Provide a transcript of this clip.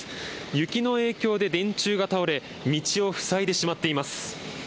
雪の影響で電柱が倒れ、道を塞いでしまっています。